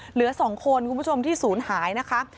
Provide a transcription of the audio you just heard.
เหลือ๒คนคุณผู้ชมที่ศูนย์หายนะคะ